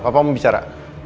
papa mau bicara